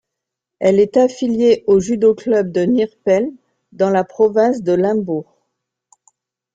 Elle est affiliée au Judo Club de Neerpelt dans la province de Limbourg.